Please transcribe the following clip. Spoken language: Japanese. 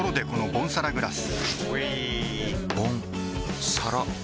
ボンサラグラス！